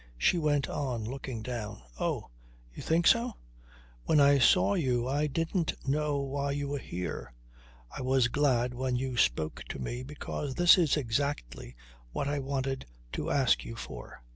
She went on, looking down. "Oh! You think so? When I saw you I didn't know why you were here. I was glad when you spoke to me because this is exactly what I wanted to ask you for.